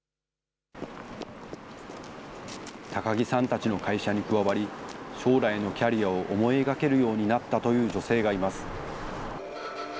高木さんたちの会社に加わり、将来のキャリアを思い描けるようになったという女性がいます。